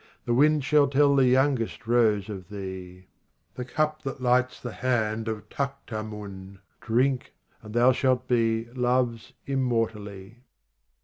The wind shall tell the youngest rose of thee : The cup that lights the hand of Taktamun ^ Drink, and thou shalt be love's immortally.